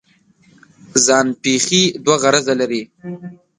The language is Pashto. ځان پېښې دوه غرضه لري.